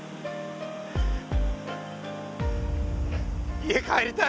家帰りたいな。